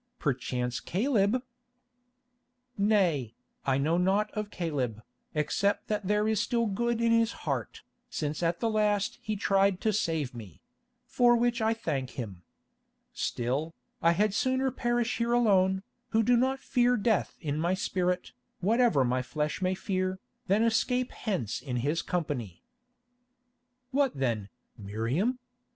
"Perchance Caleb——" "Nay, I know naught of Caleb, except that there is still good in his heart, since at the last he tried to save me—for which I thank him. Still, I had sooner perish here alone, who do not fear death in my spirit, whatever my flesh may fear, than escape hence in his company." "What then, Miriam?